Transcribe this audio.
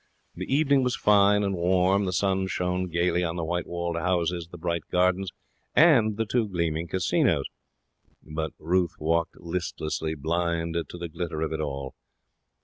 The evening was fine and warm. The sun shone gaily on the white walled houses, the bright Gardens, and the two gleaming casinos. But Ruth walked listlessly, blind to the glitter of it all.